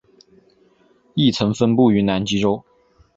亦曾分布于南极洲。